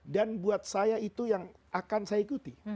dan buat saya itu yang akan saya ikuti